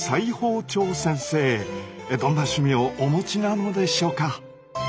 どんな趣味をお持ちなのでしょうか？